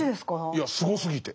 いやすごすぎて。